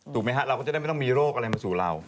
ไหมฮะเราก็จะได้ไม่ต้องมีโรคอะไรมาสู่เรา